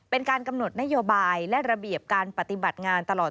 เป็นการกำหนดนโยบายและระเบียบการปฏิบัติงานตลอด